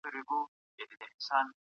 سم نیت فشار نه پیدا کوي.